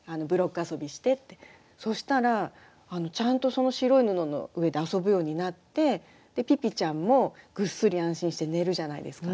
そしたらちゃんとその白い布の上で遊ぶようになってピピちゃんもぐっすり安心して寝るじゃないですか。